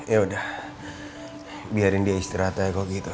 yaudah biarin dia istirahat aja kok gitu